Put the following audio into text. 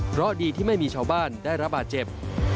เพราะดีที่ไม่มีชาวบ้านได้รับบาดเจ็บ